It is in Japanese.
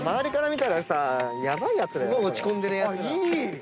いい！